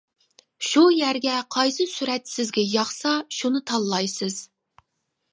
شۇ يەرگە قايسى سۈرەت سىزگە ياقسا شۇنى تاللايسىز.